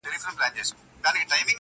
او پای يې خلاص پاته کيږي,